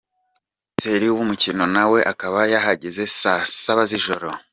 Komiseri w’umukino nawe akaba yahageze saa saba z’ijoro.